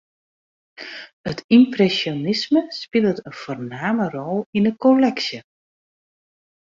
It ympresjonisme spilet in foarname rol yn 'e kolleksje.